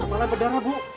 apa lah berdarah bu